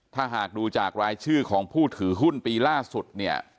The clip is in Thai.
ถ้าหากดูจากรายชื่อของผู้ถือหุ้นปีล่าสุดเนี่ย